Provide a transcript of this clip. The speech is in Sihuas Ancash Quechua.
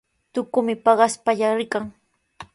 Tukumi paqaspalla rikan.